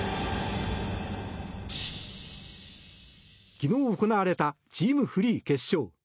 昨日行われたチームフリー決勝。